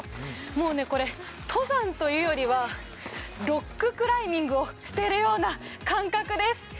もう登山というよりは、ロッククライミングをしているような感覚です。